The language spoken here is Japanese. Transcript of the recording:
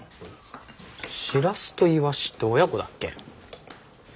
しらすといわしって親子だっけ？